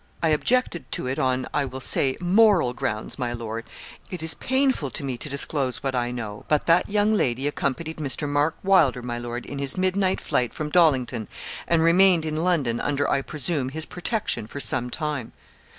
'I objected to it on, I will say, moral grounds, my lord. It is painful to me to disclose what I know, but that young lady accompanied Mr. Mark Wylder, my lord, in his midnight flight from Dollington, and remained in London, under, I presume, his protection for some time.'